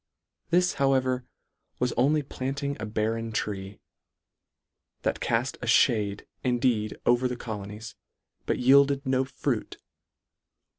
This, however, was only planting a barren tree, that call: a lhade indeed over the colonies, but yielded no fruit.